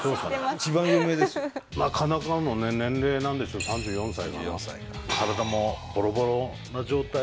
なかなかの年齢なんですよ、３４歳。